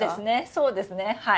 そうですねはい！